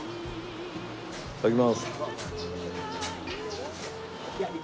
いただきます。